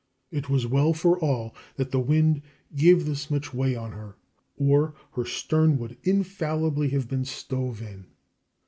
It was well for all that the wind gave this much way on her, or her stern would infallibly have been stove in.